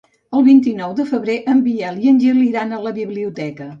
El vint-i-nou de febrer en Biel i en Gil iran a la biblioteca.